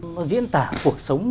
nó diễn tả cuộc sống